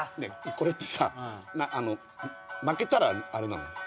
これってさ負けたらあれなの？